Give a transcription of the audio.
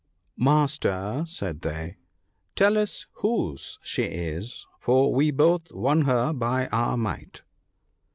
' Master,' said they, ' tell us whose she is, for we both won her by our might.'